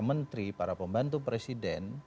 menteri para pembantu presiden